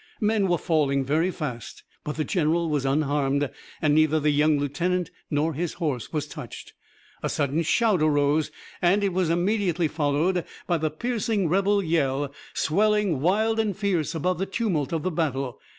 Men were falling very fast, but the general was unharmed, and neither the young lieutenant nor his horse was touched. A sudden shout arose, and it was immediately followed by the piercing rebel yell, swelling wild and fierce above the tumult of the battle.